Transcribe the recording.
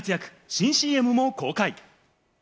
新ＣＭも公開。